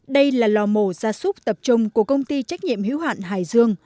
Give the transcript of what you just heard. đây là lò mổ gia súc tập trung của công ty trách nhiệm hiếu hạn hải dương